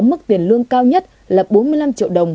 mức tiền lương cao nhất là bốn mươi năm triệu đồng